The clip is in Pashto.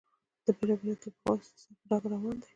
د بېلا بېلو طبقو استحصال په ډاګه روان دی.